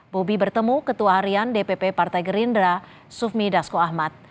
bobi bertemu ketua harian dpp partai gerindra sufmi dasko ahmad